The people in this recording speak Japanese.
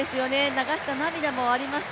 流した涙もありました、